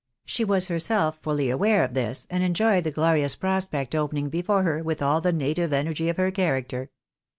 She was herself fully aware of this, and enjoyed the glorious prospect opening before her with all the native energy of her character.